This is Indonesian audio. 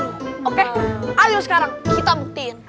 oke ayo sekarang kita buktiin